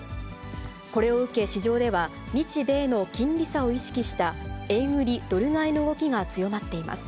これを受け、市場では、日米の金利差を意識した円売りドル買いの動きが強まっています。